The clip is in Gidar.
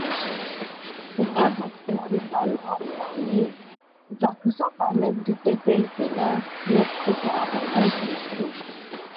Kənahet woun van mogoni va kəsapanek də tepelke na yas kəta a dangay mənani.